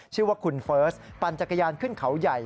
ชื่อว่าคุณเฟิร์สปั่นจักรยานขึ้นเขาใหญ่